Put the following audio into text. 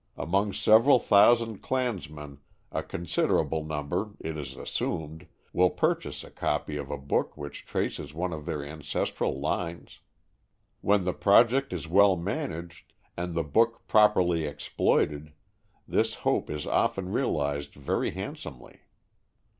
Among several thousand clansmen a considerable number, it is assumed, will purchase a copy of a book which traces one of their ancestral lines. When the project is well managed and the book properly exploited this hope is often realized very handsomely.